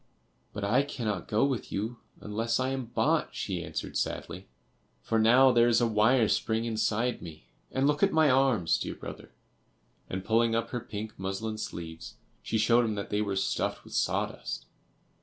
"But I cannot go with you unless I am bought," she answered, sadly, "for now there is a wire spring inside me; and look at my arms, dear brother;" and pulling up her pink muslin sleeves, she showed him that they were stuffed with sawdust.